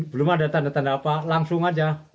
belum ada tanda tanda apa langsung aja